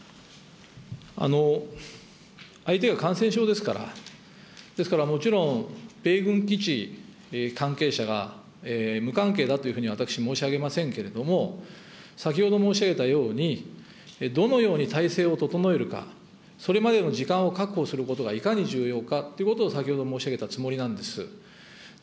相手が感染症ですから、ですから、もちろん米軍基地関係者が無関係だというふうに、私、申し上げませんけれども、先ほど申し上げたように、どのように体制を整えるか、それまでの時間を確保することが、いかに重要かということを先ほど申し上げたつもりなんです。